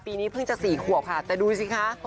นี้เพิ่งจะ๔ขวบค่ะแต่ดูสิคะ